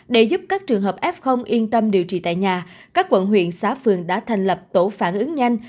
để giúp các trường hợp f yên tâm điều trị tại nhà các quận huyện xã phường đã thành lập tổ phản ứng nhanh